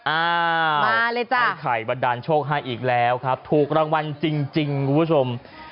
ไอ้ไข่บัดดันโชคให้อีกแล้วครับถูกรางวัลจริงคุณผู้ชม